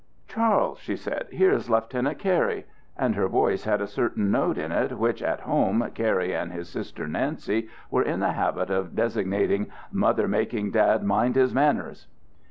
"Charles," she said, "here is Lieutenant Cary"; and her voice had a certain note in it which at home Cary and his sister Nancy were in the habit of designating "mother making dad mind his manners."